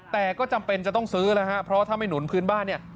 แต่ก็จำเป็นจะต้องซื้อแล้วฮะเพราะถ้าไม่หนุนพื้นบ้านเนี่ย